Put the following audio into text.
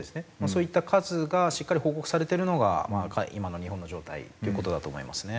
そういった数がしっかり報告されてるのが今の日本の状態っていう事だと思いますね。